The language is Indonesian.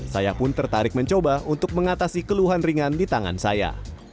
saya pun tertarik mencoba untuk mengatasi keluhan ringan di tangan saya